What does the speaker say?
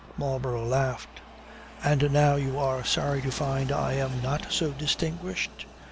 Marlborough laughed. "And now you are sorry to find I am not so distinguished.